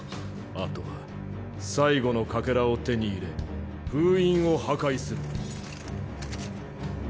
あとは最後のかけらを手に入れ封印を破壊する。